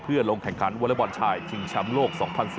เพื่อลงแข่งขันวลัยบอลชายจิงชั้มโลก๒๐๑๘